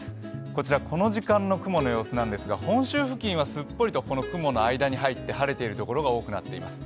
こちらこの時間の雲の様子ですが、本州付近はすっぽりと雲の間に入って晴れている所が多くなっています。